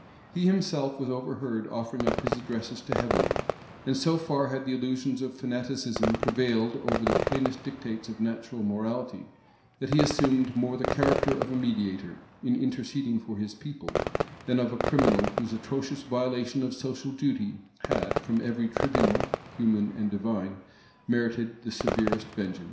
He himself was overheard offering up his addresses to Heaven; and so far had the illusions of fanaticism prevailed over the plainest dictates of natural morality, that he assumed more the character of a mediator, in interceding for his people, than that of a criminal, whose atrocious violation of social duty had, from every tribunal, human and divine, merited the severest vengeance.